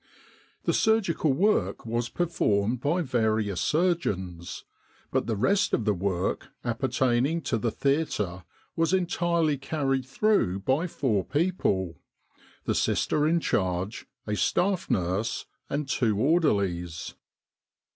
The surgical work was performed by various surgeons; but the rest of the work appertaining to the theatre was entirely carried through by four people the sister in charge, a staff nurse, and two orderlies.